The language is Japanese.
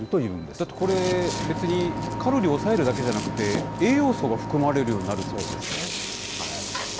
だってこれ、別にカロリーを抑えるだけじゃなくって、栄養素が含まれるようになるということですよね。